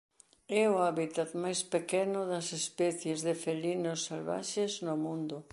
É o hábitat máis pequeno das especies de felinos salvaxes no mundo.